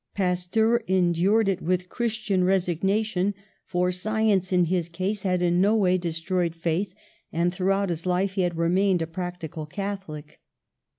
Pas teur endured it with Christian resignation, for THE LAST DAYS 207 science in his case had in no way destroyed faith, and throughout his life he had remained a practical Catholic.